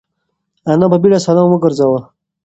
انا په بيړه سلام وگرځاوه.